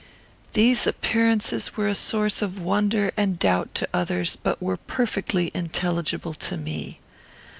"These appearances were a source of wonder and doubt to others, but were perfectly intelligible to me.